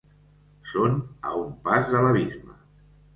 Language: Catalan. Són a un pas de l’abisme.